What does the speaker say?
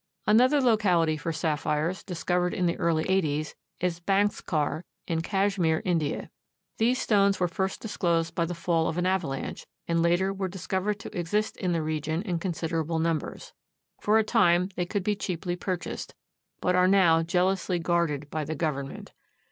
Another locality for sapphires, discovered in the early eighties, is Banskar, in Cashmere, India. These stones were first disclosed by the fall of an avalanche, and later were discovered to exist in the region in considerable numbers. For a time they could be cheaply purchased, but are now jealously guarded by the government.